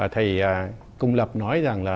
thầy cung lập nói rằng là